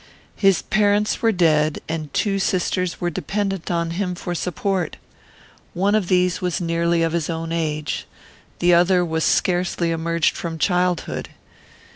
His parents were dead, and two sisters were dependent on him for support. One of these was nearly of his own age. The other was scarcely emerged from childhood.